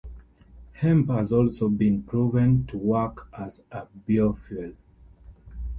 Hemp has also been proven to work as a biofuel.